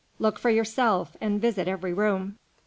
Look for yourself and visit every room."